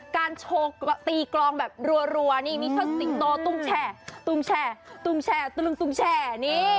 โชว์ตีกลองแบบรัวนี่มีเชิดสิงโตตุ้งแช่ตุ้มแช่ตุ้มแช่ตุ้งแช่นี่